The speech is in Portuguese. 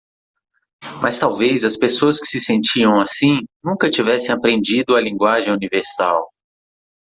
Mas talvez as pessoas que se sentiam assim nunca tivessem aprendido a linguagem universal.